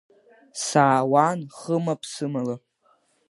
Саауан хыма-ԥсымала!